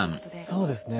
そうですね